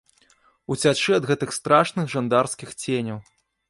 Уцячы ад гэтых страшных жандарскіх ценяў.